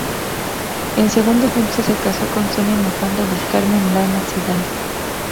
En segundas nupcias se casó con Sonia Mafalda del Carmen Lanas Hidalgo.